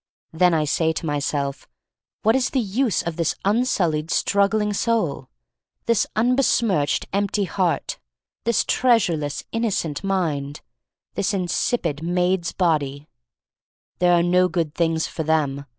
Then I say to myself, What is the use of this unsullied, struggling soul; this unbesmirched, empty heart; this treas ureless, innocent mind; this insipid maid*s body? There are no good things for them.